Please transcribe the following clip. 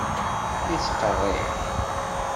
Yettqerriḥ?